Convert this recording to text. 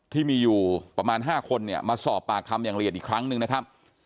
ที่มีอยู่ประมาณ๕คนเนี่ยมาสอบปากคำอย่างละเอียดอีกครั้งหนึ่งนะครับ